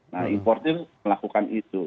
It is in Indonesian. nah importer melakukan itu